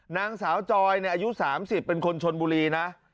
นางสาวจอยอายุ๓๐เป็นคนชนบุรีนะ